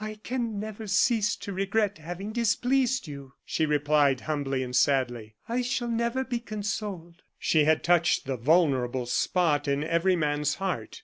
"I can never cease to regret having displeased you," she replied, humbly and sadly. "I shall never be consoled." She had touched the vulnerable spot in every man's heart.